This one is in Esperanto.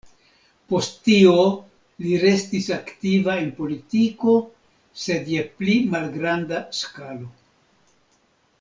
Post tio, li restis aktiva en politiko, sed je pli malgranda skalo.